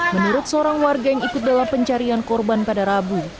menurut seorang warga yang ikut dalam pencarian korban pada rabu